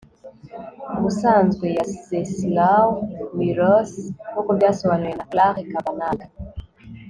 ubusanzwe ya czeslaw milosz, nkuko byasobanuwe na clare cavanagh